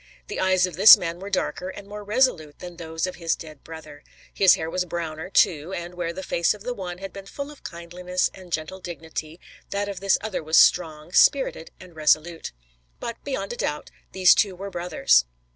The eyes of this man were darker and more resolute than those of his dead brother; his hair was browner, too, and where the face of the one had been full of kindliness and gentle dignity, that of this other was strong, spirited and resolute. But, beyond a doubt, these two were brothers.